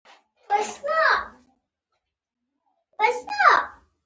مطلق ماضي لکه ما خط ولیکه یا ما ډوډۍ وخوړه.